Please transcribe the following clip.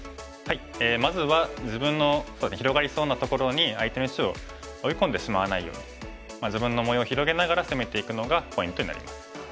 まずは自分の広がりそうなところに相手の石を追い込んでしまわないように自分の模様を広げながら攻めていくのがポイントになります。